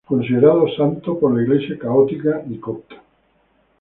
Considerado santo por las Iglesias católica y copta.